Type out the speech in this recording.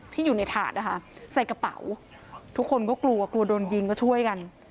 ที่อยู่ในถาดนะคะใส่กระเป๋าทุกคนก็กลัวกลัวโดนยิงก็ช่วยกัน